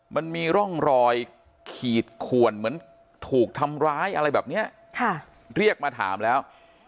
มันมีร่องรอยขีดขวนเหมือนถูกทำร้ายอะไรแบบนี้เรียกมาถามแล้ว